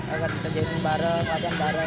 agar bisa jadi pembara pelatihan barat